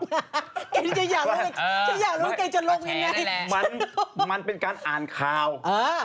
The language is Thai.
แกจะอยากรู้จะอยากรู้แกจะลงยังไงมันมันเป็นการอ่านข่าวเออ